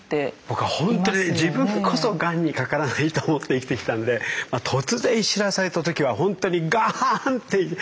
僕はほんとに自分こそがんにかからないと思って生きてきたんで突然知らされた時はほんとにガーンって。